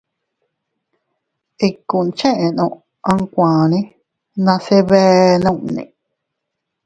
Ikkun cheʼeno amkuane nase bee nunni.